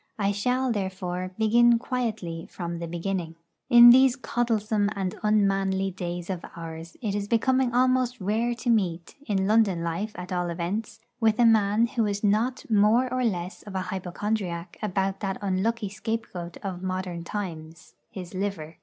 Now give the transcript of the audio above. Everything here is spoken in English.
I shall, therefore, begin quietly from the beginning. In these coddlesome and unmanly days of ours it is becoming almost rare to meet, in London life at all events, with a man who is not more or less of a hypochondriac about that unlucky scapegoat of modern times, his liver.